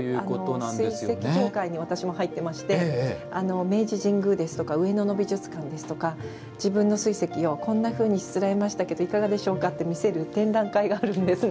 水石協会に私も入っていまして明治神宮ですとか上野の美術館ですとか自分の水石をこんなふうにしつらえましたけどいかがでしょうか？って見せる展覧会があるんですね。